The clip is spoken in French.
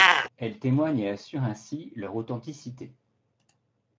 Elles témoignent et assurent ainsi leur authenticité.